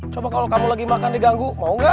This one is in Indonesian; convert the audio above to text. coba kalo kamu lagi makan diganggu mau gak